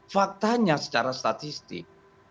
faktanya secara statistik